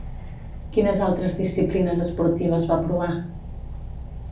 Quines altres disciplines esportives va provar?